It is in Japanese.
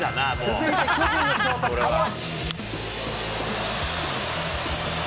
続いて巨人のショート、門脇。